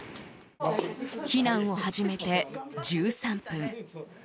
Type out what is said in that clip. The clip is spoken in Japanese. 避難を始めて１３分。